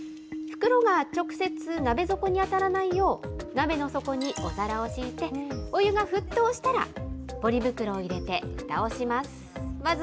袋が直接鍋底に当たらないよう、鍋の底にお皿を敷いて、お湯が沸騰したら、ポリ袋を入れてふたをします。